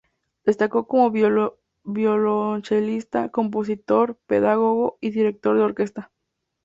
Destacó como violonchelista, compositor, pedagogo y director de orquesta.